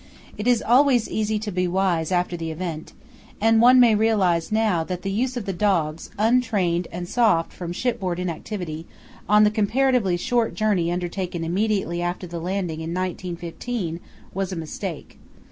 It is always easy to be wise after the event, and one may realize now that the use of the dogs, untrained and soft from shipboard inactivity, on the comparatively short journey undertaken immediately after the landing in 1915 was a mistake.